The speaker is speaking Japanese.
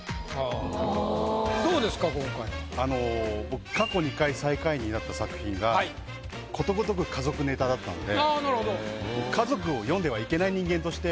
僕過去２回最下位になった作品がことごとく家族ネタだったんで家族を詠んではいけない人間として。